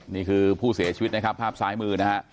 นี่คือผู้เสียชีวิตนะครับภาพซ้ายมือนะฮะ